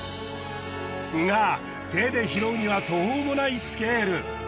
が手で拾うには途方もないスケール。